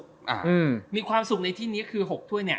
หมีความสุขในที่นี้๖ถ้วย